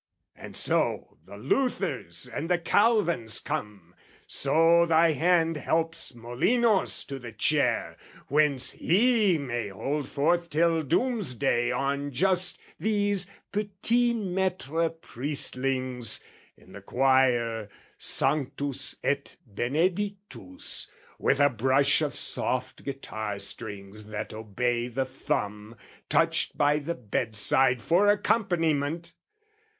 "And so the Luthers and the Calvins come, "So thy hand helps Molinos to the chair "Whence he may hold forth till doom's day on just "These petit maître priestlings, in the choir, "Sanctus et Benedictus, with a brush "Of soft guitar strings that obey the thumb, "Touched by the bedside, for accompaniment!